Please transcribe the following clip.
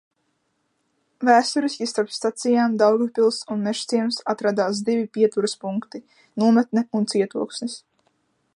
Vēsturiski starp stacijām Daugavpils un Mežciems atradās divi pieturas punkti: Nometne un Cietoksnis.